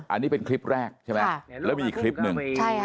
อันนี้เป็นคลิปแรกใช่ไหมแล้วมีอีกคลิปหนึ่ง